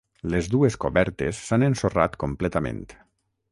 Les dues cobertes s'han ensorrat completament.